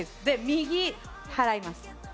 右払います。